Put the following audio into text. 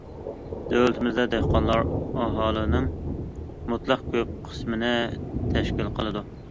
دۆلىتىمىزدە دېھقانلار ئاھالىنىڭ مۇتلەق كۆپ قىسمىنى تەشكىل قىلىدۇ.